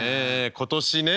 今年ね